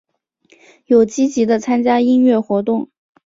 有积极的参与音乐活动。